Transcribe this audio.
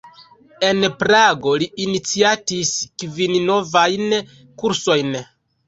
En Prago li iniciatis kvin novajn kursojn.